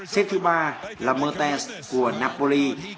xếp thứ ba là mertens của napoli